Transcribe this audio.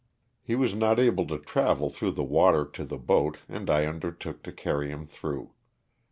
He was not able to travel through the water to the boat audi undertook to carry him through.